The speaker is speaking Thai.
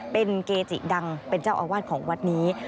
เป็นเกจิดังเป็นเจ้าอาวาสของวัดนี้